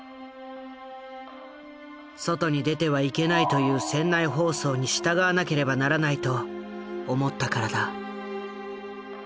外に出てはいけないという船内放送に従わなければならないと思ったからだ。